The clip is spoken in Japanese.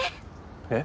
えっ？